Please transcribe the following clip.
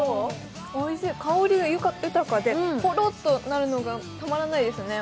香りが豊かでほろっとなるのがたまらないですよね。